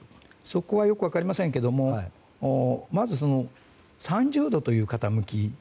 そこはよく分かりませんがまず３０度という傾き。